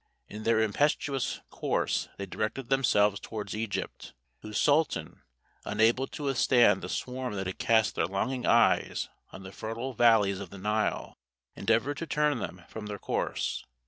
In their impetuous course they directed themselves towards Egypt, whose sultan, unable to withstand the swarm that had cast their longing eyes on the fertile valleys of the Nile, endeavoured to turn them from their course.